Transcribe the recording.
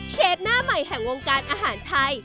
เชฟหน้าใหม่แห่งวงการอาหารไทย